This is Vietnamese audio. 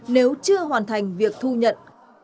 nếu chưa hoàn thành việc thu nhận